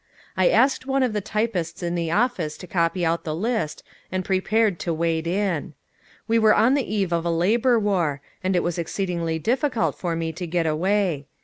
I asked one of the typists in the office to copy out the list, and prepared to wade in. We were on the eve of a labor war, and it was exceedingly difficult for me to get away.